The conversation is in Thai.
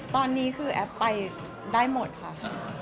ตอนนี้คือแอฟไปได้หมดค่ะ